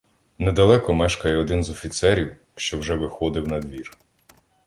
Недалеко мешкає один з офіцерів, що вже виходив надвір.